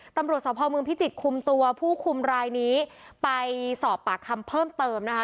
ตำรวจสภเมืองพิจิตรคุมตัวผู้คุมรายนี้ไปสอบปากคำเพิ่มเติมนะคะ